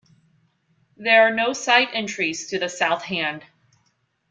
There are no side entries to the South hand.